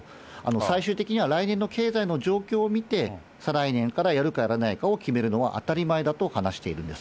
最終的には来年の経済の状況を見て、再来年からやるかやらないかを決めるのは当たり前だと話しているんです。